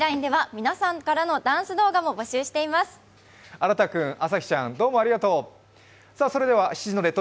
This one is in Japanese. あらた君、あさひちゃん、どうもありがとう。